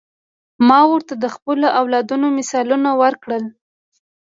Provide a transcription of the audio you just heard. ما ورته د خپلو اولادونو مثالونه ورکړل.